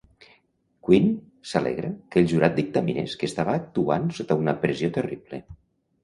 Queen s'alegra que el jurat dictaminés que estava actuant sota una pressió terrible.